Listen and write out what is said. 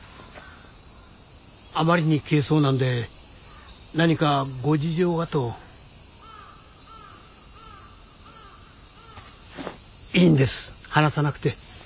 あまりに軽装なんで何かご事情がと。いいんです話さなくて。